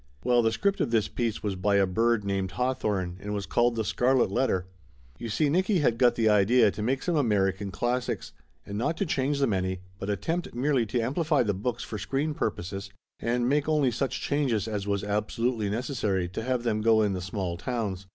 Well, the script of this piece was by a bird named Hawthorne and was called The Scarlet Letter. You see Nicky had got the idea to make some American classics, and not to change them any, but attempt merely to amplify the books for screen purposes and make only such changes as was absolutely necessary to have them go in the small towns.